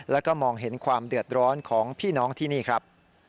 แล้วก็มองเห็นความเดือดร้อนของพี่น้องที่นี่ครับ